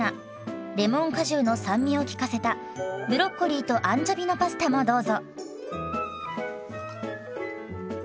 レモン果汁の酸味を効かせたブロッコリーとアンチョビのパスタもどうぞ。